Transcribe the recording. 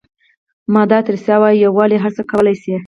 مادر تریسا وایي یووالی هر څه کولای شي.